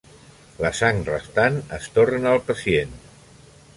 La sang restant es torna al pacient.